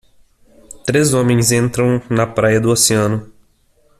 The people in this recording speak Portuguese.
Três homens entram na praia do oceano.